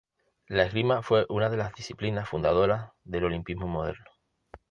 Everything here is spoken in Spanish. La esgrima fue una de las disciplinas fundadoras del olimpismo moderno.